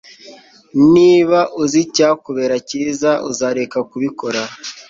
Niba uzi icyakubera cyiza uzareka kubikora